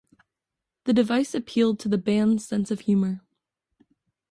The device appealed to the band's sense of humour.